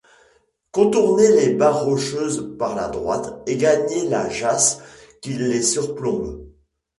Contourner les barres rocheuses par la droite et gagner la jasse qui les surplombe.